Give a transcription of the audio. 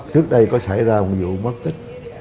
trước đây có xảy ra một vụ mất tích